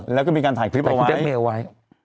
แล้วก็มีการถ่ายคลิปเอาไว้